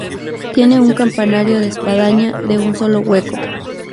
Tiene un campanario de espadaña de un solo hueco.